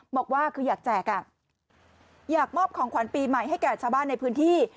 บอกว่าคืออยากแจกอ่ะอยากมอบของขวัญปีใหม่ให้แก่ชาวบ้านในพื้นที่